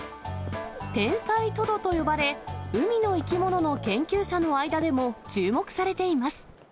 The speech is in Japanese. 天才トドと呼ばれ、海の生き物の研究者の間でも注目されています。